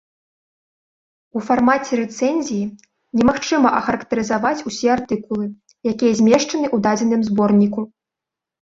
У фармаце рэцэнзіі немагчыма ахарактарызаваць усе артыкулы, якія змешчаны ў дадзеным зборніку.